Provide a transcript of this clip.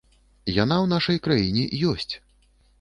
Яна ў нашай краіне ёсць!